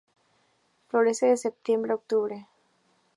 Florece de septiembre a octubre.